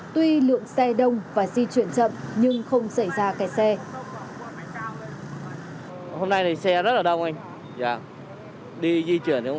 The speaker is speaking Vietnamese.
tuy lượng xe đông và di chuyển chậm nhưng không xảy ra kẹt xe